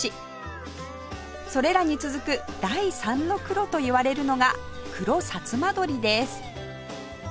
それらに続く「第三の黒」といわれるのが黒さつま鶏です